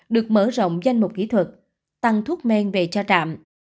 được mở rộng danh mục kỹ thuật tăng thuốc men về cho trạm